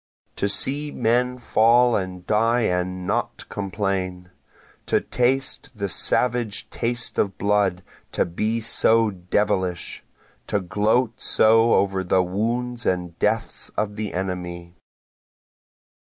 To see men fall and die and not complain! To taste the savage taste of blood to be so devilish! To gloat so over the wounds and deaths of the enemy.